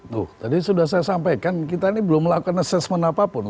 tuh tadi sudah saya sampaikan kita ini belum melakukan assessment apapun